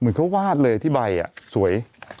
เหมือนเขาวาดเลยที่ใบสวย